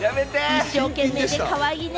一生懸命でかわいいね！